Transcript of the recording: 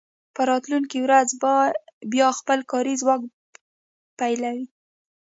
په راتلونکې ورځ بیا خپل کاري ځواک پلوري